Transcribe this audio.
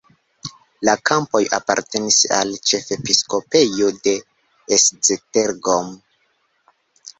La kampoj apartenis al ĉefepiskopejo de Esztergom.